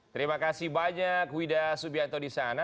terima kasih banyak wida subianto di sana